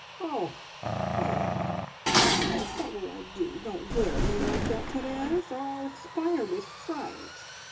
"Oh! oh! oh! What will I do? Don't glare at me like that, Therese, or I'll expire with fright!